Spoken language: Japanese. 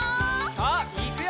さあいくよ！